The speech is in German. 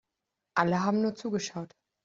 Alle haben nur zugeschaut.